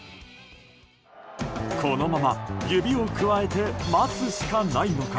このまま指をくわえて待つしかないのか。